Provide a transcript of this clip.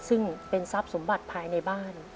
ซึ่งเป็นทรัพย์สมบัติภายในบ้าน